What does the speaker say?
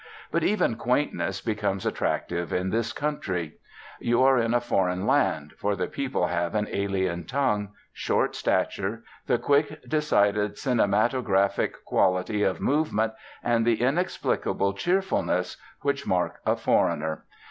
but even quaintness becomes attractive in this country. You are in a foreign land, for the people have an alien tongue, short stature, the quick, decided, cinematographic quality of movement, and the inexplicable cheerfulness, which mark a foreigner.